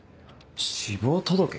死亡届？